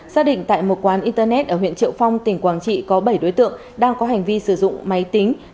xác định tại một quán internet ở huyện triệu phong tỉnh quảng trị có bảy đối tượng đang có hành vi sử dụng máy tính